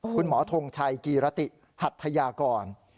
คุณหมอทงชัยกีรติหัทยากร